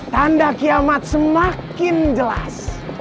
tanda kiamat semakin jelas